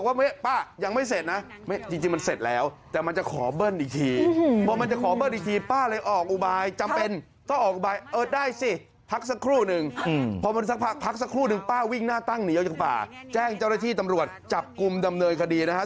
ป้าวิ่งหน้าตั้งหนีออกจากป้าแจ้งเจ้าหน้าที่ตำรวจจับกลุ่มดำเนยคดีนะครับ